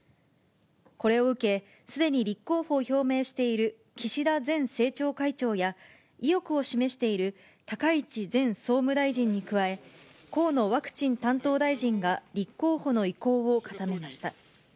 これを受け、すでに立候補を表明している岸田前政調会長や、意欲を示している高市前総務大臣に加え、河野ワクチン担当大臣が立候補の意向を固めました。